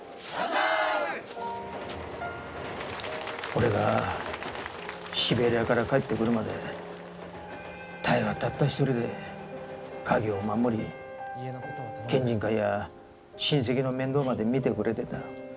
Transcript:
俺がシベリアから帰ってくるまで多江はたった一人で家業を守り県人会や親戚の面倒まで見てくれてた。